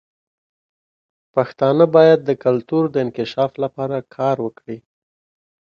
پښتانه باید د کلتور د انکشاف لپاره کار وکړي.